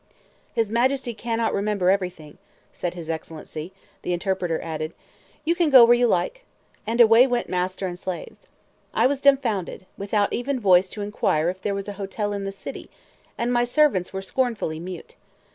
"His Majesty cannot remember everything," said his Excellency; the interpreter added, "You can go where you like." And away went master and slaves. I was dumfoundered, without even voice to inquire if there was a hotel in the city; and my servants were scornfully mute.